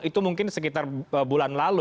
itu mungkin sekitar bulan lalu